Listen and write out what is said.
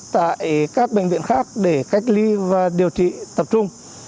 tại các bệnh viện khác để cách ly và điều trị tập trung